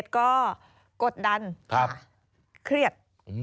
๑๗ก็กดดันทำเครียด